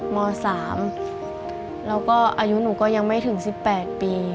ม๓แล้วก็อายุหนูก็ยังไม่ถึง๑๘ปี